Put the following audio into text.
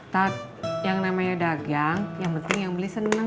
tetap yang namanya dagang yang penting yang beli seneng